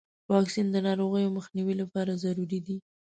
واکسین د ناروغیو مخنیوي لپاره ضروري دی.